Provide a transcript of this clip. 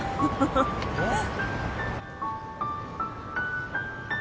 えっ？